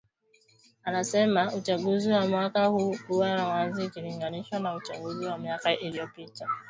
Anasema uchaguzi wa mwaka huu ulikuwa wa wazi ikilinganishwa na uchaguzi wa miaka iliyopita